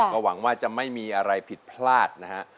ก็หวังว่าจะไม่มีอะไรผิดพลาดนะฮะ